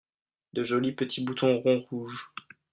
De jolis petits boutons ronds rouges.